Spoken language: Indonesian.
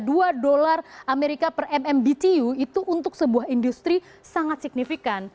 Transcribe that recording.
dua dolar amerika per mmbtu itu untuk sebuah industri sangat signifikan